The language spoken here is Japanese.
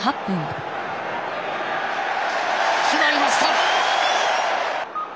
決まりました！